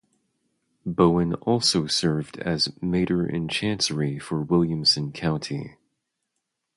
Bowen also served as mater in chancery for Williamson County.